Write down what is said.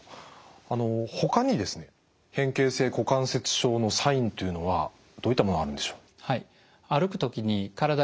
あのほかにですね変形性股関節症のサインというのはどういったものあるんでしょう？